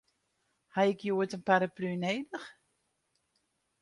Ha ik hjoed in paraplu nedich?